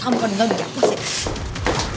kamu kan dengerin dia apa sih